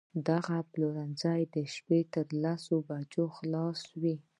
دغه پلورنځی د شپې تر لسو بجو خلاص وي